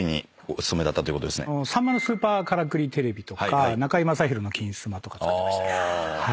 『さんまのスーパーからくりＴＶ』とか『中居正広の金スマ』とか作ってましたね。